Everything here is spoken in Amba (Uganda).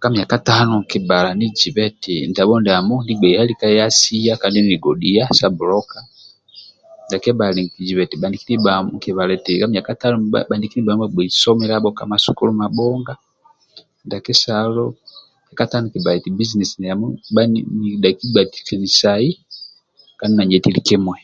Ka miaka tano nkibala nizibe eti ndabho ndiamo ndia nigbei alikai asia kangi nigodhia sa buloka ndia kebhali nkizibe nikibbala bhaniki ndiamo bhagbei somiiabho ka masukulu mabhonga ndia kesalo buizinesi ndiamo nidhaki gbatikesai kandi nanyetikili kimui